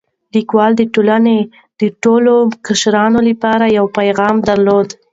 لیکوال د ټولنې د ټولو قشرونو لپاره یو پیغام درلود.